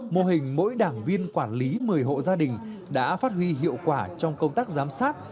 mô hình mỗi đảng viên quản lý một mươi hộ gia đình đã phát huy hiệu quả trong công tác giám sát